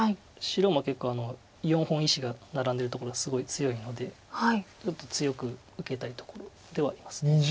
白も結構４本石がナラんでるところすごい強いのでちょっと強く受けたいところではあります。